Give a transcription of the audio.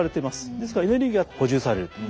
ですからエネルギーが補充される。